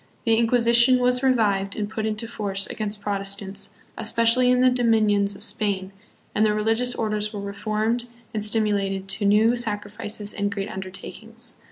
The Inquisition was revived and put into force against Protestants, especially hi the dominions of Spain, and the religious orders were reformed and stimulated to new sacrifices and great undertakings.